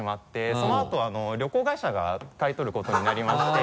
そのあと旅行会社が買い取ることになりまして。